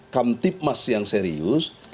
kamtipmas yang serius